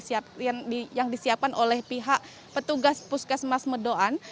penjaringan sehari yang disiapkan oleh pihak petugas puskes mas medoan